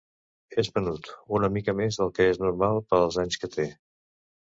És menut, una mica més del que és normal per als anys que té.